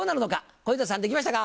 小遊三さんできましたか？